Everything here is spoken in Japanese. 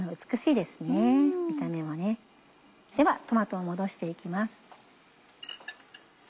ではトマトを戻して行きます。